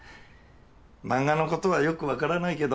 漫画のことはよく分からないけど